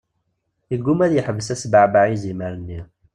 Iguma ad iḥbes asbeɛbeɛ yizimer-nni.